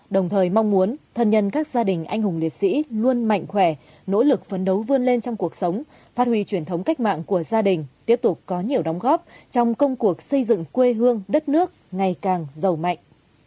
đồng thời mong muốn thân nhân các gia đình anh hùng liệt sĩ luôn mạnh khỏe nỗ lực phấn đấu vươn lên trong cuộc sống phát huy truyền thống cách mạng của gia đình tiếp tục có nhiều đóng góp trong công cuộc xây dựng quê hương đất nước ngày càng giàu mạnh